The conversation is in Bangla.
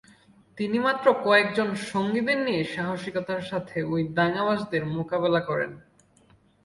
তিনি মাত্র কয়েকজন সঙ্গীদের নিয়ে সাহসিকতার সাথে ঐ দাঙ্গাবাজদের মোকাবিলা করেন।